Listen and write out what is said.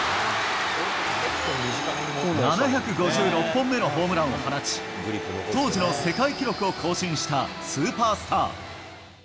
７５６本目のホームランを放ち、当時の世界記録を更新したスーパースター。